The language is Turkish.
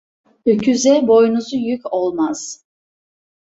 Öküze boynuzu yük olmaz.